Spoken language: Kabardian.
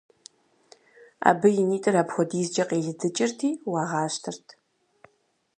Абы и нитӀыр апхуэдизкӀэ къилыдыкӀырти, уагъащтэрт.